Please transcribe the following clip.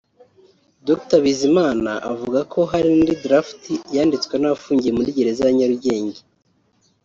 Dr Bizimana avuga ko hari n’indi ‘draft’ yanditswe n’abafungiye muri gereza ya Nyarugenge